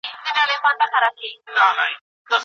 شجاع الدوله واک وساتلو.